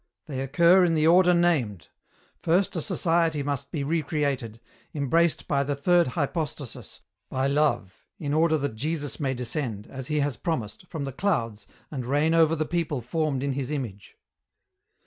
They occur in the order named. First a society must be recreated, embraced by the third Hypostasis, by Love, in order that Jesus may descend, as He has promised, from the clouds and reign over the people formed in His image."